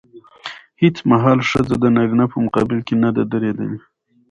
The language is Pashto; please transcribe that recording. هېڅ مهال ښځه د نارينه په مقابل کې نه ده درېدلې.